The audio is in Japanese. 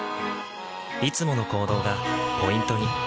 いつもの行動がポイントに。